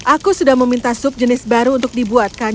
aku sudah meminta sub jenis baru untuk dibuatkan